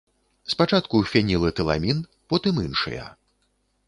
Спачатку фенілэтыламін, потым іншыя.